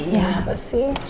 ya apa sih